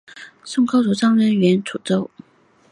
宋高宗诏张俊援楚州。